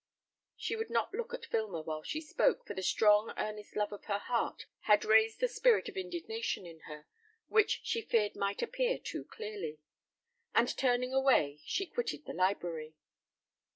She would not look at Filmer while she spoke, for the strong, earnest love of her heart, had raised the spirit of indignation in her, which she feared might appear too clearly; and turning away she quitted the library.